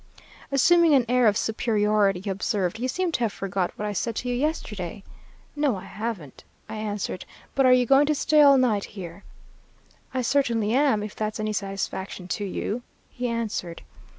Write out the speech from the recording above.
"Assuming an air of superiority he observed, 'You seem to have forgot what I said to you yesterday.' "'No, I haven't,' I answered, 'but are you going to stay all night here?' "'I certainly am, if that's any satisfaction to you,' he answered.